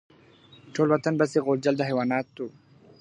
ټول وطن به سي غوجل د حیوانانو .